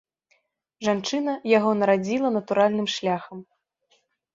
Жанчына яго нарадзіла натуральным шляхам.